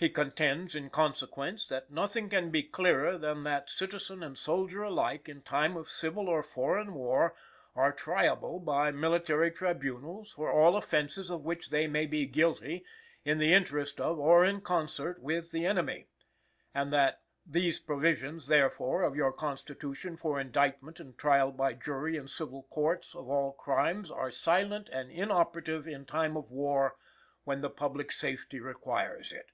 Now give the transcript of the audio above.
He contends, in consequence, that "nothing can be clearer than that citizen and soldier alike, in time of civil or foreign war, are triable by military tribunals for all offences of which they may be guilty, in the interest of, or in concert with the enemy;" and that "these provisions, therefore, of your Constitution for indictment and trial by jury in civil courts of all crimes are silent and inoperative in time of war when the public safety requires it."